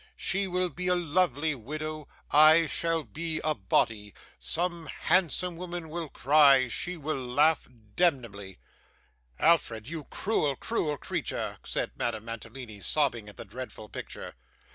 She will be a lovely widow. I shall be a body. Some handsome women will cry; she will laugh demnebly.' 'Alfred, you cruel, cruel creature,' said Madame Mantalini, sobbing at the dreadful picture.